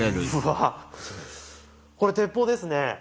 これ鉄砲ですね。